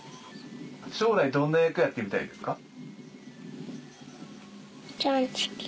将来どんな役やってみたいですか？